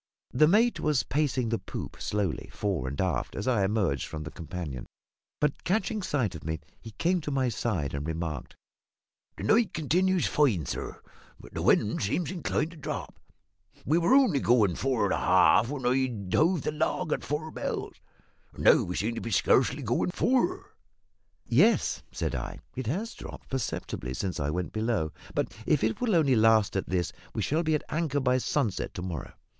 The mate was pacing the poop slowly, fore and aft, as I emerged from the companion; but, catching sight of me, he came to my side and remarked "The night continues fine, sir, but the wind seems inclined to drop. We were only going four and half when I hove the log at four bells, and now we seem to be scarcely going four." "Yes," said I, "it has dropped perceptibly since I went below; but if it will only last at this we shall be at anchor by sunset to morrow."